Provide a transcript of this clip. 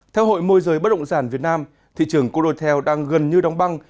theo hội môi giới bất động sản việt nam thị trường cô đồ tèo đang gần như đóng băng